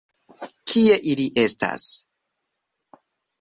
Kie ili estas?